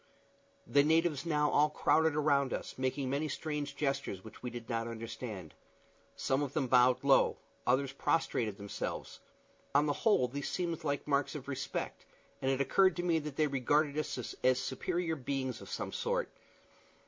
The natives now all crowded around us, making many strange gestures, which we did not understand. Some of them bowed low, others prostrated themselves; on the whole these seemed like marks of respect, and it occurred to me that they regarded us as superior beings of some sort.